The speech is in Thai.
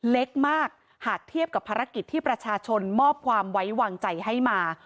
เล็กมากหากเทียบกับภารกิจที่ประชาชนมอบความไว้วางใจให้มา